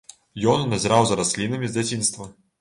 Ён назіраў за раслінамі з дзяцінства.